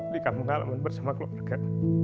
dikamung ke alaman bersama keluarga